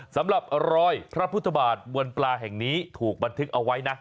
สำหรับรอยพระพุทธบาทบนปลาแห่งนี้ถูกบันทึกเอาไว้นะ